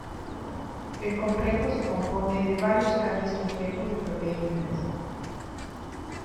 El complejo se compone de varios grandes complejos de proteínas.